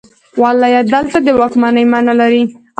ولایت دلته د واکمنۍ معنی لري.